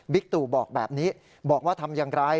ตู่บอกแบบนี้บอกว่าทำอย่างไร